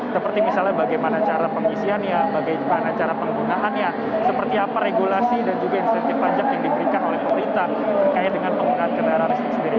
seperti misalnya bagaimana cara pengisiannya bagaimana cara penggunaannya seperti apa regulasi dan juga insentif pajak yang diberikan oleh pemerintah terkait dengan penggunaan kendaraan listrik sendiri